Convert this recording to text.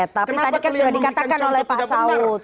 tapi tadi kan sudah dikatakan oleh pak saud